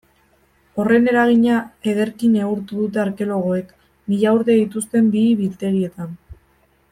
Horren eragina ederki neurtu dute arkeologoek mila urte dituzten bihi-biltegietan.